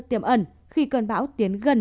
tiềm ẩn khi cơn bão tiến gần